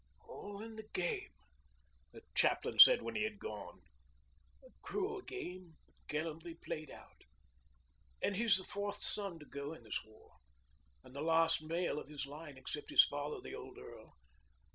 'All in the game,' the chaplain said when he had gone; 'a cruel game, but gallantly played out. And he's the fourth son to go in this war and the last male of his line except his father, the old earl.